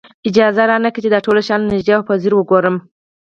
اجازه را نه کړي چې دا ټول شیان له نږدې او په ځیر وګورم.